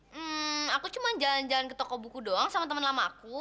hmm aku cuma jalan jalan ke toko buku doang sama temen lama aku